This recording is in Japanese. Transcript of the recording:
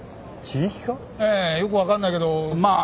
ええよく分かんないけどまあ